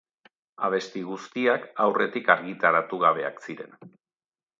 Abesti guztiak aurretik argitaratu gabeak ziren.